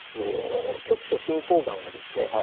局所進行がんはですね